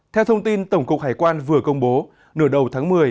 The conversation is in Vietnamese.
theo thông tin tổng cục hải quan vừa công bố nửa đầu tháng một mươi